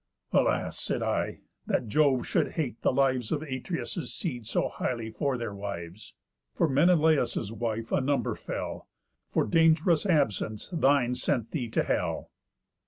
'Alas,' said I, 'that Jove should hate the lives Of Atreus' seed so highly for their wives! For Menelaus' wife a number fell, For dang'rous absence thine sent thee to hell.